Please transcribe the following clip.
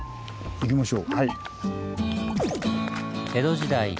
行きましょう。